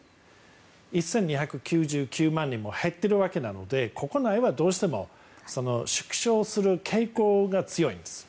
１２９９万人も減っているわけなので国内はどうしても縮小する傾向が強いんです。